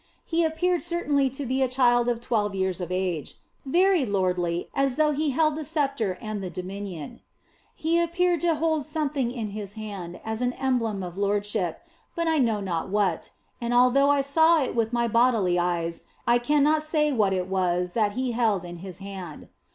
He appeared certainly to be a child of twelve years of age, very lordly, as though He held the sceptre and the dominion. He appeared to hold something in His hand as an emblem of lordship, but I know not what, and although I saw it with my bodily eyes I cannot say what it was that He held in His hand.